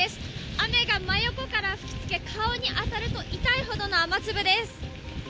雨が真横から吹きつけ顔に当たると痛いほどの雨粒です。